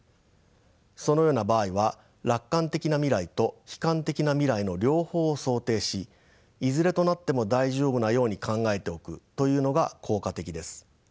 そのような場合は楽観的な未来と悲観的な未来の両方を想定しいずれとなっても大丈夫なように考えておくというのが効果的です。